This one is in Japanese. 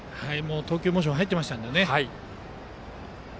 投球モーションに入っていましたのでね。